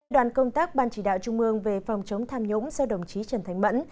đoàn công tác ban chỉ đạo trung ương về phòng chống tham nhũng do đồng chí trần thành mẫn